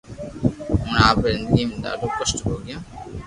اوڻي آپري زندگي ۾ ڌاڌو ڪسٽ ڀوگيو